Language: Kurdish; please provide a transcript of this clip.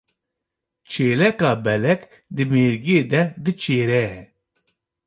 Çêleka belek di mêrgê de diçêre.